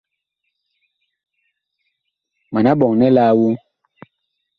Mana ɓɔŋ nɛ laa woŋ ?